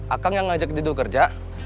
akang yang ngajak didu kerja